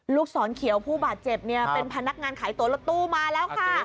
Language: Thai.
ลูกศรเขียวผู้บาดเจ็บเนี่ยเป็นพนักงานขายตัวรถตู้มาแล้วค่ะ